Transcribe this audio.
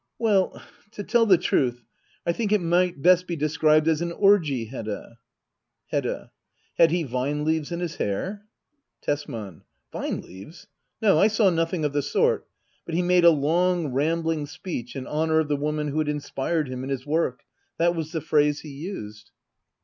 Well, to tell the truth, I think it might best be described as an orgie, Hedda, Hedda. Had he vine leaves in his hair ? Tesman. Vine leaves? No, I saw nothing of the sort. But he made a long, rambling speech in honour of the woman who had inspired him in his work — that was the phrase he used.